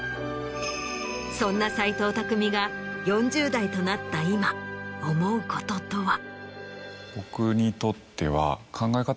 そんな斎藤工が４０代となった今思うこととは。